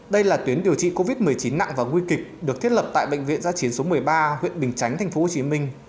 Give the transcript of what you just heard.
đây là tuyến điều trị covid một mươi chín nặng và nguy kịch được thiết lập tại bệnh viện gia chiến số một mươi ba huyện bình chánh tp hcm